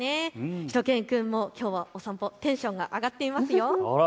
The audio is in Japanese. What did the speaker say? しゅと犬くんもきょうはお散歩、テンションが上がっていますよ。